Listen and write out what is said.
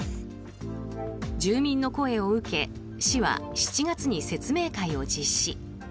住民の声を受け市は７月に説明会を実施。